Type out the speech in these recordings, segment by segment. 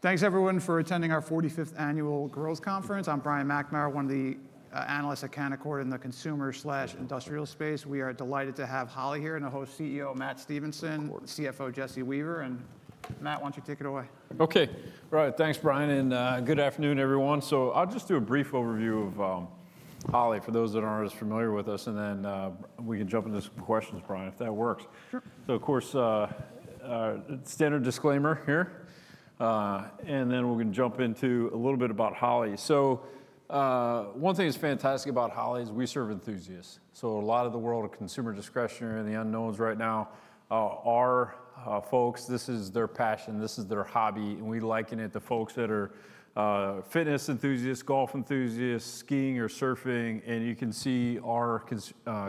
Thanks everyone for attending our 45th Annual Growth Conference. I'm Brian McNamara, one of the analysts at Canaccord in the consumer/industrial space. We are delighted to have Holley here and the host CEO Matt Stevenson, CFO Jesse Weaver. Matt, why don't you take it away? Okay, right. Thanks, Brian, and good afternoon everyone. I'll just do a brief overview of Holley for those that aren't as familiar with us, and then we can jump into some questions, Brian, if that works. Sure. Of course, standard disclaimer here, and then we're going to jump into a little bit about Holley. One thing that's fantastic about Holley is we serve enthusiasts. A lot of the world of consumer discretionary and the unknowns right now, our folks, this is their passion. This is their hobby, and we liken it to folks that are fitness enthusiasts, golf enthusiasts, skiing or surfing. You can see our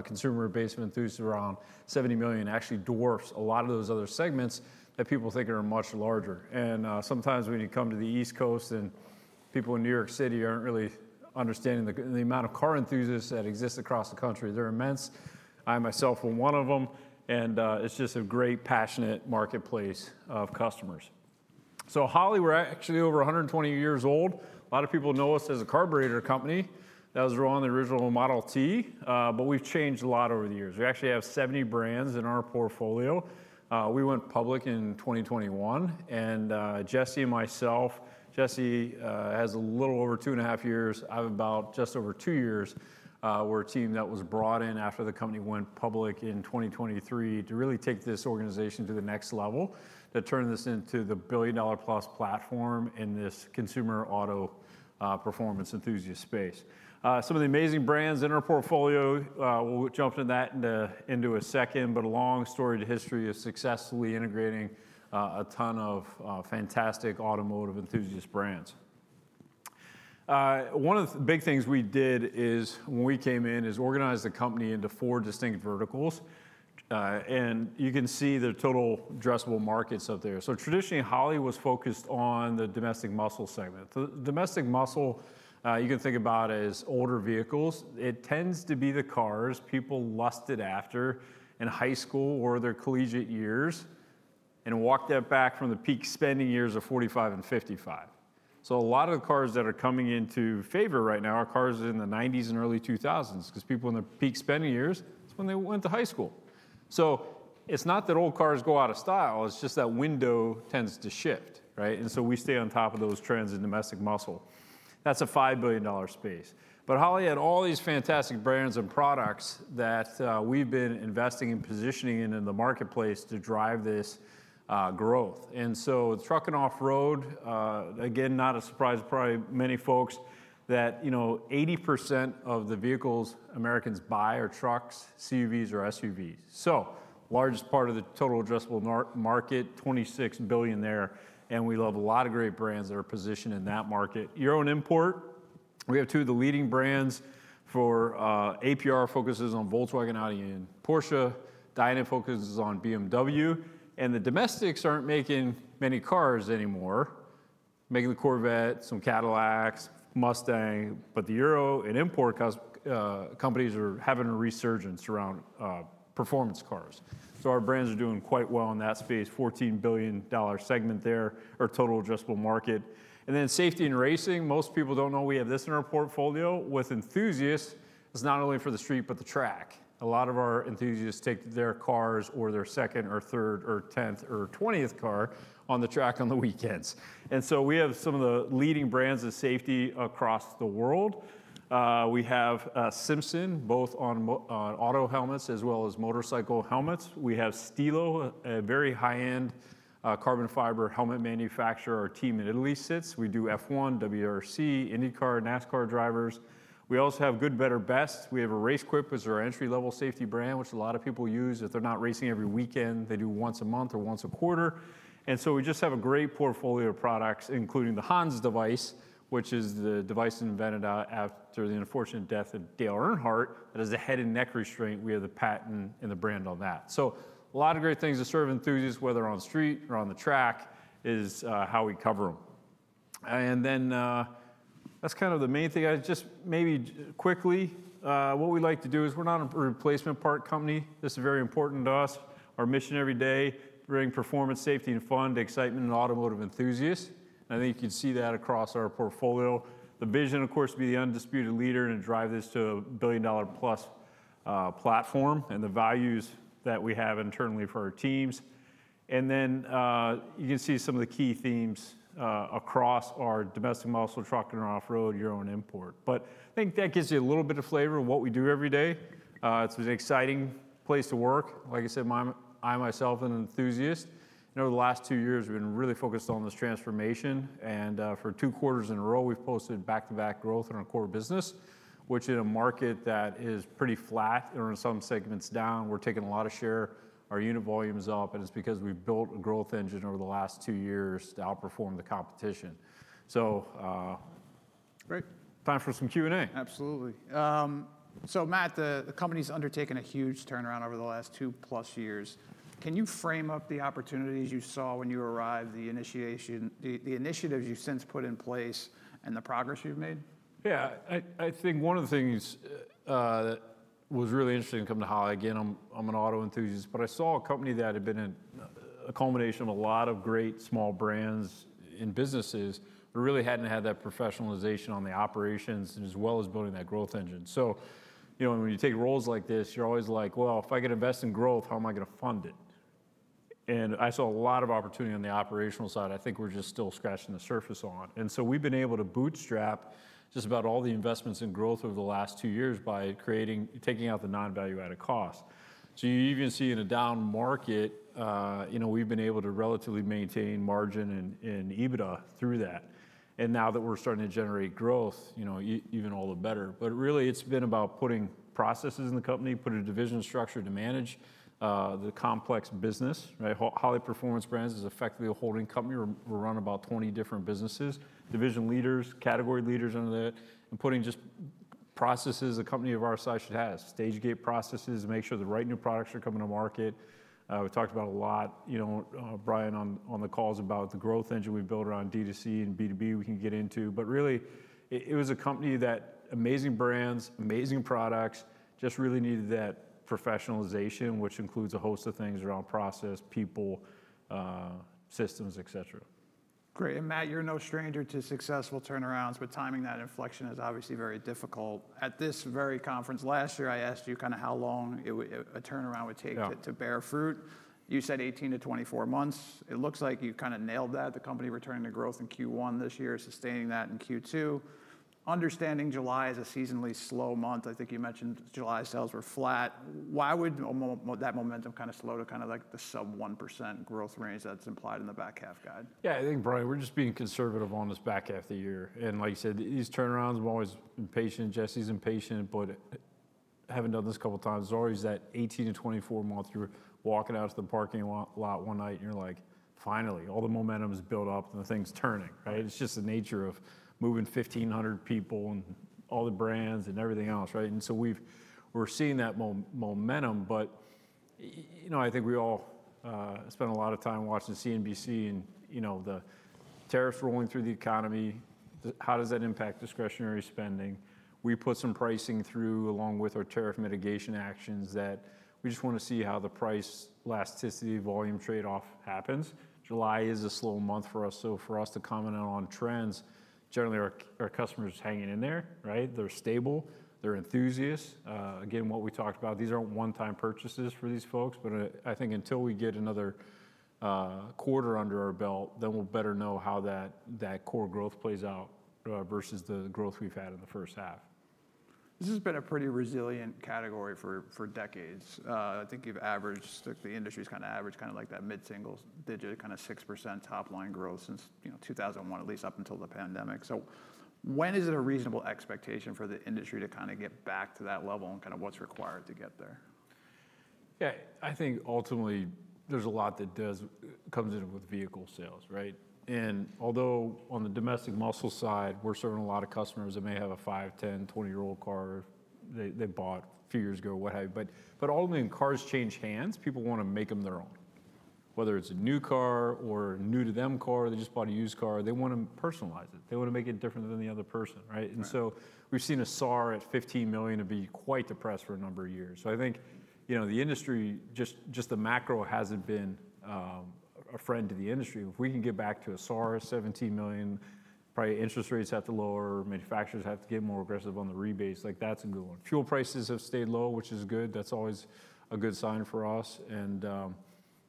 consumer basement enthusiasts, around 70 million, actually dwarfs a lot of those other segments that people think are much larger. Sometimes when you come to the East Coast and people in New York City aren't really understanding the amount of car enthusiasts that exist across the country, they're immense. I myself am one of them, and it's just a great, passionate marketplace of customers. Holley, we're actually over 120 years old. A lot of people know us as a carburetor company. That was wrong. The original Model T, but we've changed a lot over the years. We actually have 70 brands in our portfolio. We went public in 2021, and Jesse and myself, Jesse has a little over two and a half years. I'm about just over two years. We're a team that was brought in after the company went public in 2023 to really take this organization to the next level, to turn this into the billion-dollar-plus platform in this consumer auto, performance enthusiast space. Some of the amazing brands in our portfolio, we'll jump to that in a second, but a long storied history of successfully integrating a ton of fantastic automotive enthusiast brands. One of the big things we did when we came in is organize the company into four distinct verticals. You can see the total addressable markets up there. Traditionally, Holley was focused on the Domestic Muscle segment. The Domestic Muscle, you can think about as older vehicles. It tends to be the cars people lusted after in high school or their collegiate years. Walk that back from the peak spending years of 45 and 55. A lot of the cars that are coming into favor right now are cars in the 1990s and early 2000s because people in the peak spending years, it's when they went to high school. It's not that old cars go out of style. That window tends to shift, right? We stay on top of those trends in Domestic Muscle. That's a $5 billion space. Holley had all these fantastic brands and products that we've been investing in, positioning in the marketplace to drive this growth. The Truck & Off-Road, again, not a surprise to probably many folks that 80% of the vehicles Americans buy are trucks, CUVs, or SUVs. The largest part of the total addressable market, $26 billion there. We love a lot of great brands that are positioned in that market. Euro & Import, we have two of the leading brands. APR focuses on Volkswagen, Audi, and Porsche. Dinan focuses on BMW. The domestics aren't making many cars anymore, making the Corvette, some Cadillacs, Mustang, but the Euro & Import custom companies are having a resurgence around performance cars. Our brands are doing quite well in that space, $14 billion segment there, our total addressable market. Safety & Racing, most people don't know we have this in our portfolio with enthusiasts. It's not only for the street, but the track. A lot of our enthusiasts take their cars or their second or third or 10th or 20th car on the track on the weekends. We have some of the leading brands of safety across the world. We have Simpson both on auto helmets as well as motorcycle helmets. We have Stilo, a very high-end carbon fiber helmet manufacturer. Our team in Italy sits. We do F1, WRC, INDYCAR, NASCAR drivers. We also have good, better, best. We have RaceQuip as our entry-level safety brand, which a lot of people use if they're not racing every weekend. They do once a month or once a quarter. We just have a great portfolio of products, including the HANS device, which is the device invented after the unfortunate death of Dale Earnhardt. That is the head and neck restraint. We have the patent and the brand on that. A lot of great things to serve enthusiasts, whether on the street or on the track, is how we cover them. That's kind of the main thing. Maybe quickly, what we like to do is we're not a replacement part company. This is very important to us. Our mission every day, bringing performance, safety, and fun to excitement and automotive enthusiasts. I think you can see that across our portfolio. The vision, of course, to be the undisputed leader and drive this to a billion-dollar-plus platform and the values that we have internally for our teams. You can see some of the key themes across our Domestic Muscle, Modern Truck & Off-Road, Euro & Import. I think that gives you a little bit of flavor of what we do every day. It's an exciting place to work. Like I said, I myself am an enthusiast. Over the last two years, we've been really focused on this transformation. For two quarters in a row, we've posted back-to-back growth in our core business, which in a market that is pretty flat and in some segments down, we're taking a lot of share. Our unit volume is up, and it's because we built a growth engine over the last two years to outperform the competition. Great time for some Q&A. Absolutely. Matt, the company's undertaken a huge turnaround over the last 2+ years. Can you frame up the opportunities you saw when you arrived, the initiatives you've since put in place, and the progress you've made? Yeah, I think one of the things that was really interesting to come to Holley. Again, I'm an auto enthusiast, but I saw a company that had been a culmination of a lot of great small brands and businesses who really hadn't had that professionalization on the operations as well as building that growth engine. When you take roles like this, you're always like, well, if I can invest in growth, how am I going to fund it? I saw a lot of opportunity on the operational side. I think we're just still scratching the surface on. We've been able to bootstrap just about all the investments in growth over the last two years by creating, taking out the non-value-added cost. You can see in a down market, we've been able to relatively maintain margin and EBITDA through that. Now that we're starting to generate growth, even all the better. Really, it's been about putting processes in the company, putting a division structure to manage the complex business, right? Holley Performance brands is effectively a holding company. We run about 20 different businesses, division leaders, category leaders under that, and putting just processes a company of our size should have. Stage-Gate processes to make sure the right new products are coming to market. We talked about a lot, you know, Brian, on the calls about the growth engine we built around D2C and B2B we can get into, but really, it was a company that had amazing brands, amazing products, just really needed that professionalization, which includes a host of things around process, people, systems, et cetera. Great. Matt, you're no stranger to successful turnarounds, but timing that inflection is obviously very difficult. At this very conference last year, I asked you kind of how long a turnaround would take to bear fruit. You said 18-24 months. It looks like you kind of nailed that. The company returned to growth in Q1 this year, sustaining that in Q2. Understanding July is a seasonally slow month, I think you mentioned July sales were flat. Why would that momentum slow to the sub 1% growth range that's implied in the back half guide? Yeah, I think, Brian, we're just being conservative on this back half of the year. Like you said, these turnarounds, I'm always impatient. Jesse's impatient, but having done this a couple of times, it's always that 18-24 months you're walking out to the parking lot one night and you're like, finally, all the momentum's built up and the thing's turning, right? It's just the nature of moving 1,500 people and all the brands and everything else, right? We're seeing that momentum, but you know, I think we all spend a lot of time watching CNBC and, you know, the tariffs rolling through the economy. How does that impact discretionary spending? We put some pricing through along with our tariff mitigation actions that we just want to see how the price elasticity volume trade-off happens. July is a slow month for us. For us to comment on trends, generally our customers are hanging in there, right? They're stable. They're enthusiasts. Again, what we talked about, these aren't one-time purchases for these folks, but I think until we get another quarter under our belt, then we'll better know how that core business growth plays out, versus the growth we've had in the first half. This has been a pretty resilient category for decades. I think you've averaged, the industry's kind of averaged, like that mid-single digit, 6% top line growth since 2001, at least up until the pandemic. When is it a reasonable expectation for the industry to get back to that level, and what's required to get there? Yeah, I think ultimately there's a lot that does come in with vehicle sales, right? Although on the Domestic Muscle side, we're serving a lot of customers that may have a 5, 10, 20-year-old car that they bought a few years ago, what have you. Ultimately, when cars change hands, people want to make them their own. Whether it's a new car or a new-to-them car, they just bought a used car. They want to personalize it. They want to make it different than the other person, right? We've seen a SAR at 15 million and be quite depressed for a number of years. I think, you know, the industry, just the macro hasn't been a friend to the industry. If we can get back to a SAR of 17 million, probably interest rates have to lower, manufacturers have to get more aggressive on the rebates. That's a good one. Fuel prices have stayed low, which is good. That's always a good sign for us.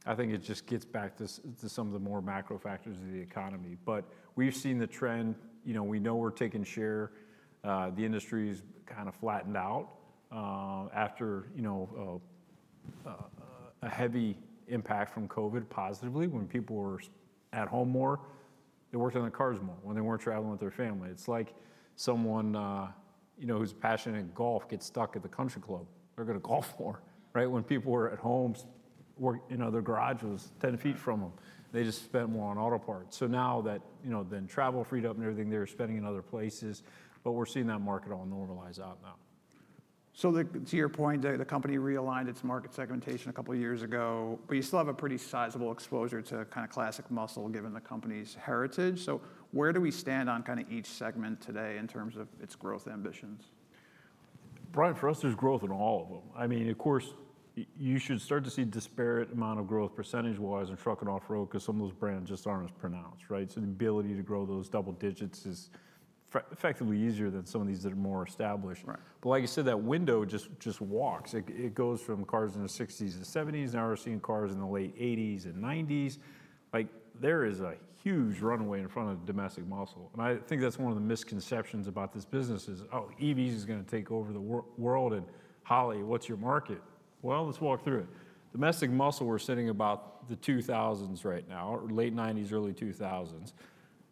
I think it just gets back to some of the more macro factors of the economy. We've seen the trend, you know, we know we're taking share. The industry's kind of flattened out after a heavy impact from COVID positively when people were at home more, they worked on their cars more when they weren't traveling with their family. It's like someone, you know, who's passionate in golf gets stuck at the country club. They're going to golf more, right? When people were at home, working in other garages 10 ft from them, they just spent more on auto parts. Now that travel freed up and everything, they're spending in other places, but we're seeing that market all normalize out now. To your point, the company realigned its market segmentation a couple of years ago, but you still have a pretty sizable exposure to kind of classic muscle given the company's heritage. Where do we stand on kind of each segment today in terms of its growth ambitions? Brian, for us, there's growth in all of them. I mean, of course, you should start to see a disparate amount of growth percentage-wise in Truck & Off-Road because some of those brands just aren't as pronounced, right? The ability to grow those double digits is effectively easier than some of these that are more established. Like you said, that window just walks. It goes from cars in the 1960s and 1970s, now we're seeing cars in the late 1980s and 1990s. There is a huge runway in front of Domestic Muscle. I think that's one of the misconceptions about this business, is, oh, EVs are going to take over the world and Holley, what's your market? Let's walk through it. Domestic Muscle, we're sitting about the 2000s right now, late 1990s, early 2000s.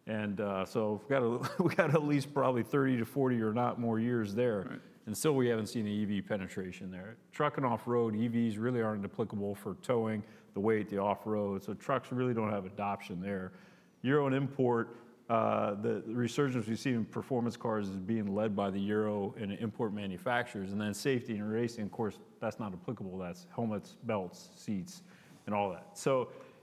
We've got at least probably 30-40 or not more years there. We haven't seen an EV penetration there. Truck & Off-Road, EVs really aren't applicable for towing the way to the off-road. Trucks really don't have adoption there. Euro & Import, the resurgence we've seen in performance cars is being led by the Euro & Import manufacturers. Safety & Racing, of course, that's not applicable. That's helmets, belts, seats, and all that.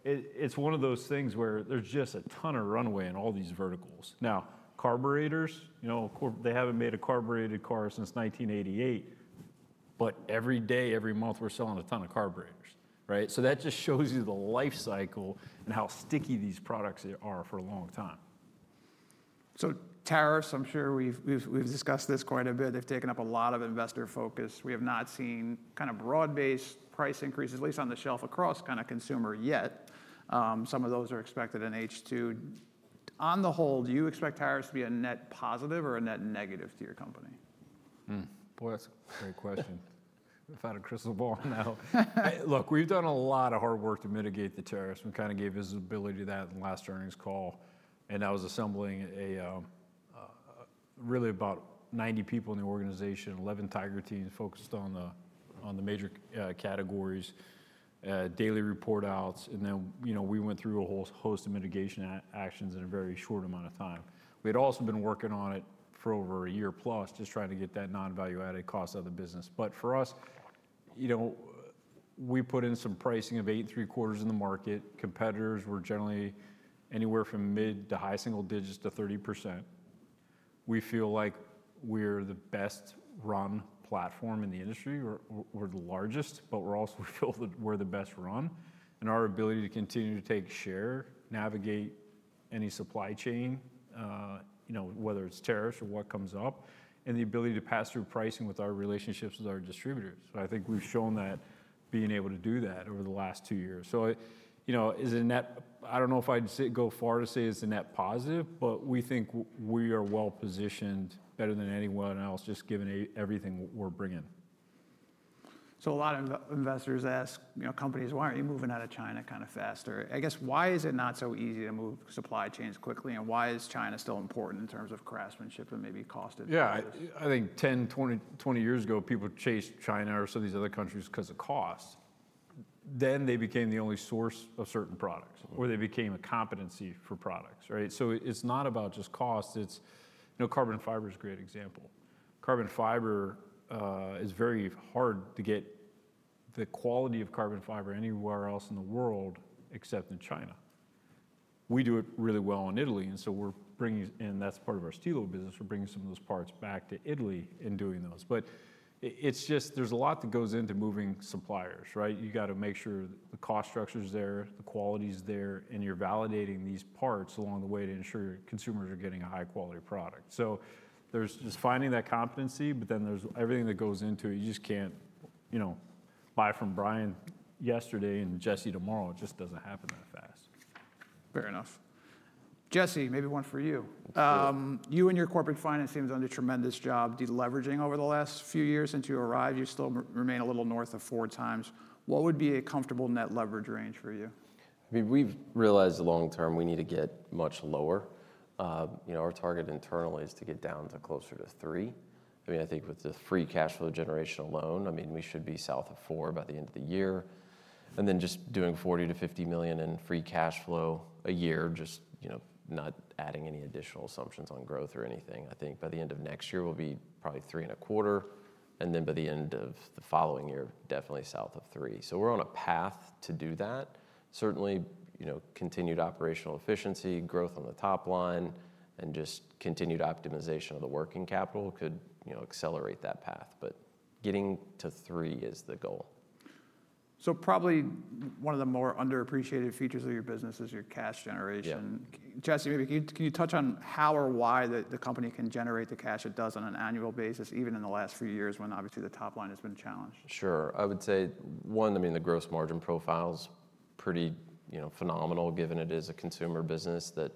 It's one of those things where there's just a ton of runway in all these verticals. Now, carburetors, you know, they haven't made a carbureted car since 1988. Every day, every month, we're selling a ton of carburetors, right? That just shows you the life cycle and how sticky these products are for a long time. Tariffs, I'm sure we've discussed this quite a bit. They've taken up a lot of investor focus. We have not seen kind of broad-based price increases, at least on the shelf across kind of consumer yet. Some of those are expected in H2. On the whole, do you expect tariffs to be a net positive or a net negative to your company? Boy, that's a great question. Without a crystal ball now. Look, we've done a lot of hard work to mitigate the tariffs. We kind of gave visibility to that in the last earnings call. That was assembling really about 90 people in the organization, Eleven Tiger teams focused on the major categories, daily report outs. We went through a whole host of mitigation actions in a very short amount of time. We had also been working on it for over 1+ year, just trying to get that non-value added cost out of the business. For us, we put in some pricing of $8.75 in the market. Competitors were generally anywhere from mid- to high-single digits to 30%. We feel like we're the best run platform in the industry. We're the largest, but we also feel that we're the best run. Our ability to continue to take share, navigate any supply chain, whether it's tariffs or what comes up, and the ability to pass through pricing with our relationships with our distributors. I think we've shown that being able to do that over the last two years. Is it a net? I don't know if I'd go so far to say it's a net positive, but we think we are well positioned better than anyone else, just given everything we're bringing. A lot of investors ask, you know, companies, why aren't you moving out of China kind of faster? I guess, why is it not so easy to move supply chains quickly? Why is China still important in terms of craftsmanship and maybe cost? Yeah, I think 10, 20, 20 years ago, people chased China or some of these other countries because of cost. Then they became the only source of certain products or they became a competency for products, right? It's not about just cost. It's, you know, carbon fiber is a great example. Carbon fiber is very hard to get the quality of carbon fiber anywhere else in the world except in China. We do it really well in Italy, and we're bringing in, that's part of our Stilo business. We're bringing some of those parts back to Italy and doing those. There's a lot that goes into moving suppliers, right? You got to make sure the cost structure is there, the quality is there, and you're validating these parts along the way to ensure consumers are getting a high-quality product. There's just finding that competency, but then there's everything that goes into it. You just can't, you know, buy from Brian yesterday and Jesse tomorrow. It just doesn't happen that fast. Fair enough. Jesse, maybe one for you. You and your corporate finance team have done a tremendous job deleveraging over the last few years since you arrived. You still remain a little north of 4x. What would be a comfortable net leverage range for you? I mean, we've realized the long term we need to get much lower. You know, our target internally is to get down to closer to three. I mean, I think with the free cash flow generation alone, we should be south of four by the end of the year. Just doing $40-$50 million in free cash flow a year, not adding any additional assumptions on growth or anything, I think by the end of next year, we'll be probably three and a quarter. By the end of the following year, definitely south of three. We're on a path to do that. Certainly, continued operational efficiency, growth on the top line, and just continued optimization of the working capital could accelerate that path. Getting to three is the goal. One of the more underappreciated features of your business is your cash generation. Jesse, maybe can you touch on how or why the company can generate the cash it does on an annual basis, even in the last few years when obviously the top line has been challenged? Sure. I would say one, the gross margin profile is pretty, you know, phenomenal given it is a consumer business that,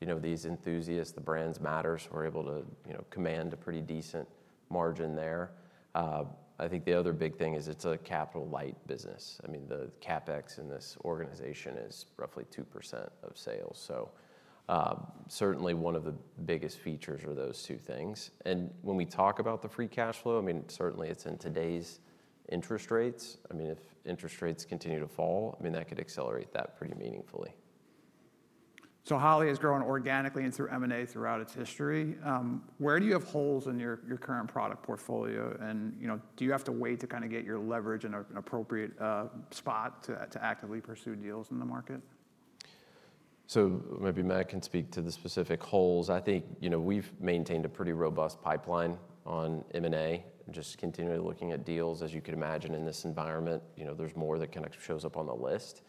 you know, these enthusiasts, the brands matter, so we're able to, you know, command a pretty decent margin there. I think the other big thing is it's a capital-light business. The CapEx in this organization is roughly 2% of sales. Certainly one of the biggest features are those two things. When we talk about the free cash flow, it's in today's interest rates. If interest rates continue to fall, that could accelerate that pretty meaningfully. Holley has grown organically and through M&A throughout its history. Where do you have holes in your current product portfolio? Do you have to wait to get your leverage in an appropriate spot to actively pursue deals in the market? Maybe Matt can speak to the specific holes. I think we've maintained a pretty robust pipeline on M&A, just continually looking at deals, as you could imagine in this environment. There's more that kind of shows up on the list,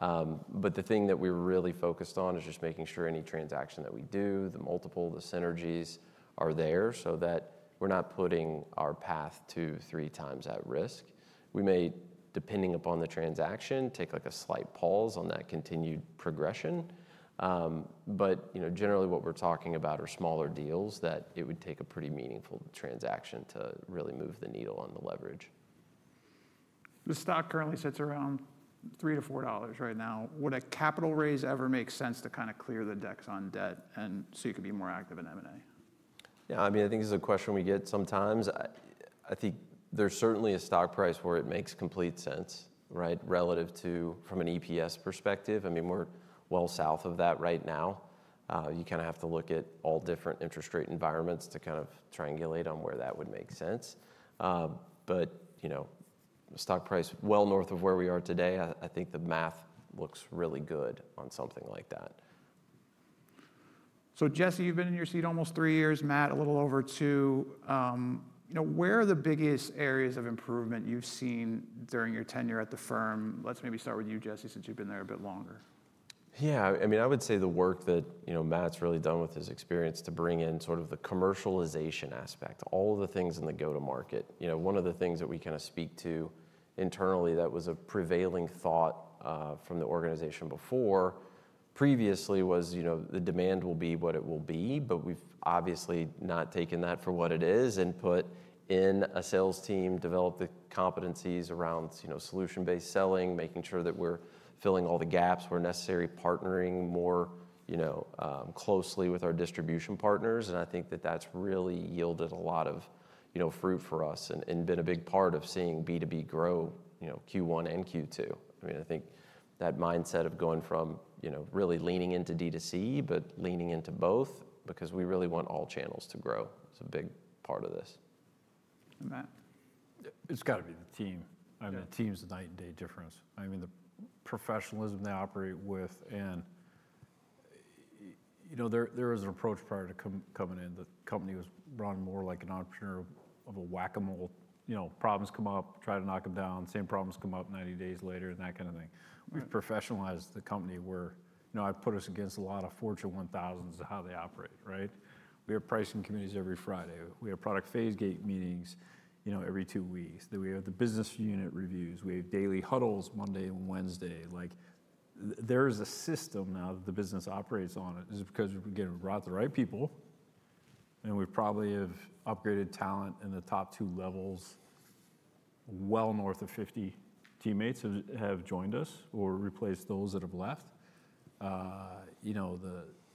but the thing that we're really focused on is just making sure any transaction that we do, the multiple, the synergies are there so that we're not putting our path to three times at risk. We may, depending upon the transaction, take like a slight pause on that continued progression, but generally what we're talking about are smaller deals that it would take a pretty meaningful transaction to really move the needle on the leverage. The stock currently sits around $3-$4 right now. Would a capital raise ever make sense to kind of clear the decks on debt so you could be more active in M&A? Yeah, I mean, I think this is a question we get sometimes. I think there's certainly a stock price where it makes complete sense, right? Relative to, from an EPS perspective, I mean, we're well south of that right now. You kind of have to look at all different interest rate environments to triangulate on where that would make sense. The stock price well north of where we are today, I think the math looks really good on something like that. Jesse, you've been in your seat almost three years, Matt, a little over two. Where are the biggest areas of improvement you've seen during your tenure at the firm? Let's maybe start with you, Jesse, since you've been there a bit longer. Yeah, I mean, I would say the work that, you know, Matt's really done with his experience to bring in sort of the commercialization aspect, all of the things in the go-to-market. One of the things that we kind of speak to internally that was a prevailing thought from the organization before, previously was, you know, the demand will be what it will be, but we've obviously not taken that for what it is and put in a sales team, developed the competencies around, you know, solution-based selling, making sure that we're filling all the gaps where necessary, partnering more closely with our distribution partners. I think that that's really yielded a lot of fruit for us and been a big part of seeing B2B grow, you know, Q1 and Q2. I mean, I think that mindset of going from really leaning into D2C, but leaning into both because we really want all channels to grow. It's a big part of this. Matt? It's got to be the team. I mean, the team's a night and day difference. I mean, the professionalism they operate with, and you know, there was an approach prior to coming in. The company was run more like an entrepreneur of a whack-a-mole. You know, problems come up, try to knock them down. Same problems come up 90 days later and that kind of thing. We've professionalized the company where, you know, I put us against a lot of Fortune 1000s of how they operate, right? We have pricing committees every Friday. We have product phase gate meetings every two weeks. We have the business unit reviews. We have daily huddles Monday and Wednesday. There is a system now that the business operates on. It's because we get around the right people. We probably have upgraded talent in the top two levels. Well north of 50 teammates have joined us or replaced those that have left.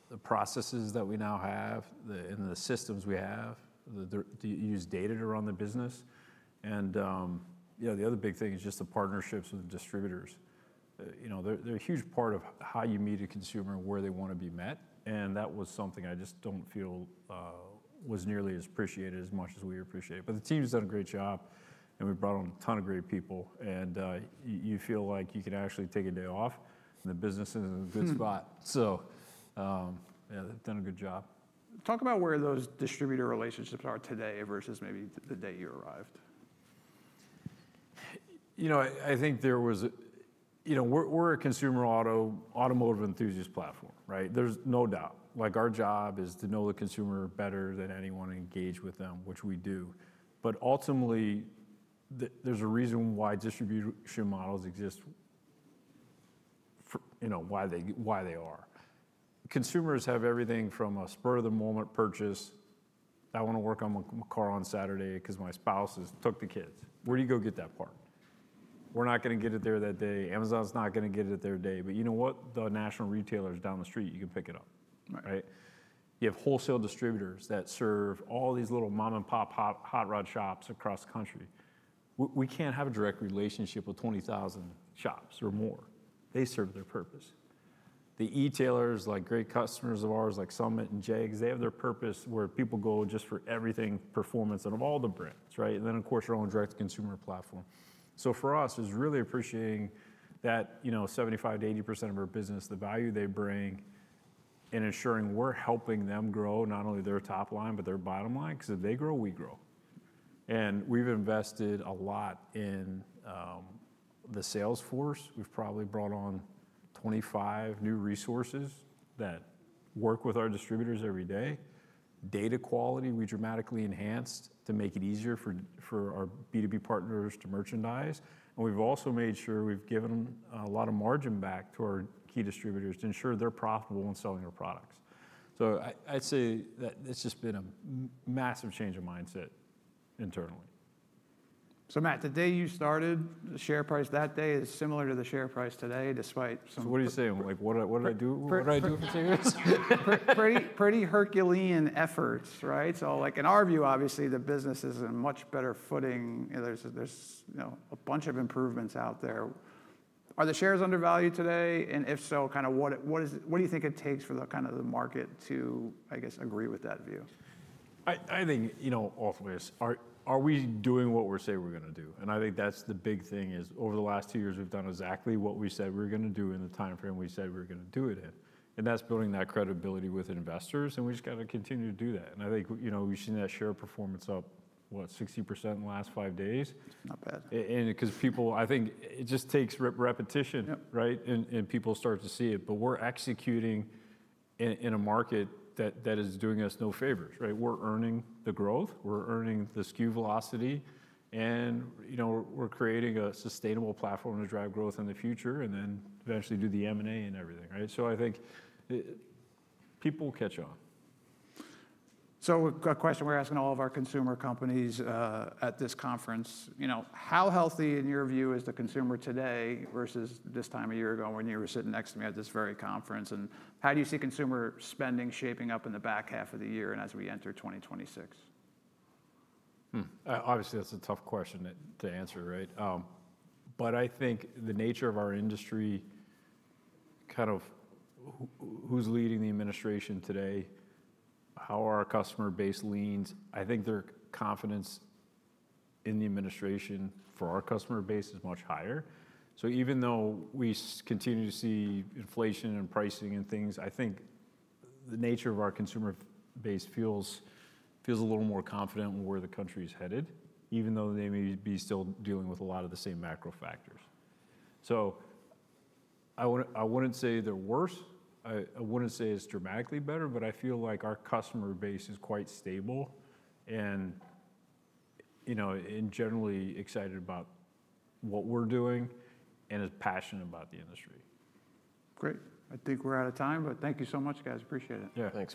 The processes that we now have, and the systems we have, do you use data to run the business? The other big thing is just the partnerships with distributors. They're a huge part of how you meet a consumer, where they want to be met. That was something I just don't feel was nearly as appreciated as much as we appreciate it. The team's done a great job. We brought on a ton of great people. You feel like you can actually take a day off, and the business is in a good spot. Yeah, they've done a good job. Talk about where those distributor relationships are today versus maybe the day you arrived. I think there was, you know, we're a consumer auto, automotive enthusiast platform, right? There's no doubt. Our job is to know the consumer better than anyone, engage with them, which we do. Ultimately, there's a reason why distribution models exist, why they are. Consumers have everything from a spur-of-the-moment purchase. I want to work on my car on Saturday because my spouse took the kids. Where do you go get that part? We're not going to get it there that day. Amazon's not going to get it there today. The national retailers down the street, you can pick it up. You have wholesale distributors that serve all these little mom-and-pop hot rod shops across the country. We can't have a direct relationship with 20,000 shops or more. They serve their purpose. The e-tailers, like great customers of ours, like Summit and JEGS, they have their purpose where people go just for everything, performance out of all the brands, right? Of course, your own direct-to-consumer platform. For us, it's really appreciating that 75%-80% of our business, the value they bring, and ensuring we're helping them grow not only their top line, but their bottom line, because if they grow, we grow. We've invested a lot in the sales force. We've probably brought on 25 new resources that work with our distributors every day. Data quality we dramatically enhanced to make it easier for our B2B partners to merchandise. We've also made sure we've given a lot of margin back to our key distributors to ensure they're profitable in selling our products. I'd say that this has been a massive change in mindset internally. Matt, the day you started, the share price that day is similar to the share price today, despite some. What are you saying? What did I do? Pretty Herculean efforts, right? In our view, obviously the business is in a much better footing. There are a bunch of improvements out there. Are the shares undervalued today? If so, what do you think it takes for the market to, I guess, agree with that view? I think, you know, often we ask, are we doing what we say we're going to do? I think that's the big thing. Over the last two years, we've done exactly what we said we were going to do in the timeframe we said we were going to do it in. That's building that credibility with investors. We just got to continue to do that. I think, you know, we've seen that share performance up, what, 60% in the last five days. Not bad. I think it just takes repetition, right? People start to see it. We're executing in a market that is doing us no favors, right? We're earning the growth. We're earning the skew velocity. We're creating a sustainable platform to drive growth in the future and eventually do the M&A and everything, right? I think people will catch on. A question we're asking all of our consumer companies at this conference: how healthy in your view is the consumer today versus this time a year ago when you were sitting next to me at this very conference? How do you see consumer spending shaping up in the back half of the year and as we enter 2026? Obviously, that's a tough question to answer, right? I think the nature of our industry, kind of who's leading the administration today, how our customer base leans, I think their confidence in the administration for our customer base is much higher. Even though we continue to see inflation and pricing and things, I think the nature of our consumer base feels a little more confident in where the country is headed, even though they may be still dealing with a lot of the same macro factors. I wouldn't say they're worse. I wouldn't say it's dramatically better, but I feel like our customer base is quite stable and, you know, generally excited about what we're doing and is passionate about the industry. Great. I think we're out of time, but thank you so much, guys. Appreciate it. Yeah.